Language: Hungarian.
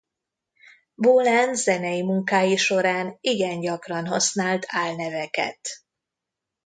Bohlen zenei munkái során igen gyakran használt álneveket.